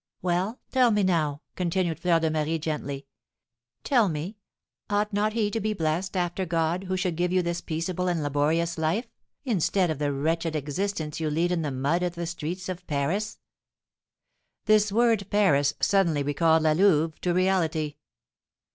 "Well, tell me now," continued Fleur de Marie, gently, "tell me, ought not he to be blessed, after God, who should give you this peaceable and laborious life, instead of the wretched existence you lead in the mud of the streets of Paris?" This word Paris suddenly recalled La Louve to reality.